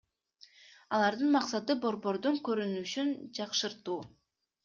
Алардын максаты — борбордун көрүнүшүн жакшыртуу.